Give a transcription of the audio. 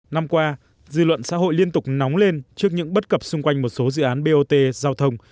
năm qua dư luận xã hội liên tục nóng lên trước những bất cập xung quanh một số dự án bot giao thông